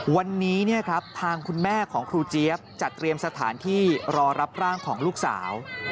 วันนี้ทางคุณแม่ของครูเจี๊ยบจัดเตรียมสถานที่รอรับร่างของลูกสาว